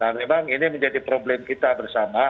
nah memang ini menjadi problem kita bersama